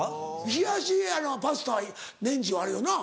冷やしパスタは年中あるよな？